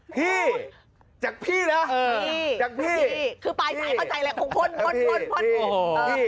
พี่พี่พี่พี่พี่